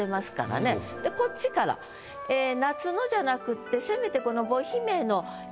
こっちから「夏の」じゃなくってせめてこの。